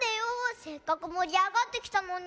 せっかくもりあがってきたのに。